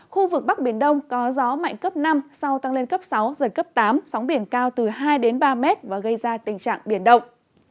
khu vực bắc biển đông có gió mạnh cấp năm sau tăng lên cấp sáu giật cấp tám sóng biển cao từ hai ba mét và gây ra tình trạng biển động